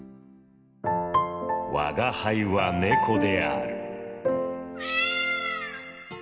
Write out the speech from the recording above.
「吾輩は猫である。